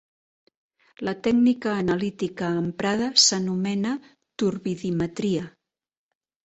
La tècnica analítica emprada s'anomena turbidimetria.